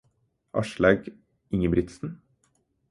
Aslaug Ingebrigtsen